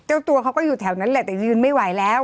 เจ้าตัวเขาก็อยู่แถวนั้นแหละแต่ยืนไม่ไหวแล้ว